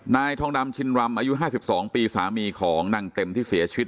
นายทองดำชินรำอายุ๕๒ปีสามีของนางเต็มที่เสียชีวิต